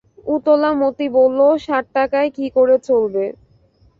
উতলা মতি বলল, সাত টাকায় কী করে চলবে?